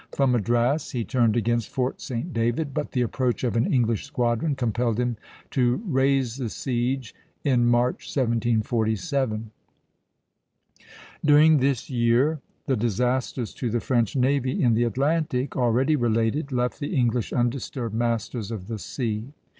From Madras he turned against Fort St. David, but the approach of an English squadron compelled him to raise the siege in March, 1747. During this year the disasters to the French navy in the Atlantic, already related, left the English undisturbed masters of the sea.